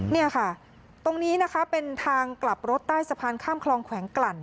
นี่ค่ะตรงนี้นะคะเป็นทางกลับรถใต้สะพานข้ามคลองแขวงกลั่น